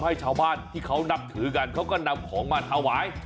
ให้ชาวบ้านที่เขานับถือกันเขาก็นำของมาถวาย